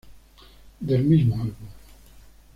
Del mismo álbum.